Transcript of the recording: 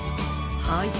はい。